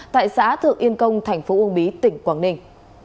tại xã thượng yên công thành phố uông bí tỉnh quảng ninh